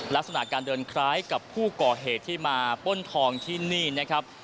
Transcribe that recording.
ลักษณะการเดินคล้ายกับผู้ก่อเหตุที่มาป้นทองที่นี่นะครับ